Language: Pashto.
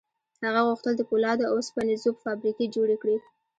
هغه غوښتل د پولادو او اوسپنې ذوب فابریکې جوړې کړي